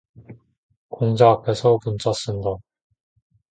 공자 앞에서 문자 쓴다